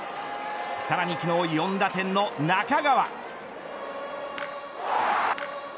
さらに昨日４打点の中川。